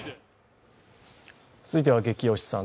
続いてはゲキ推しさん。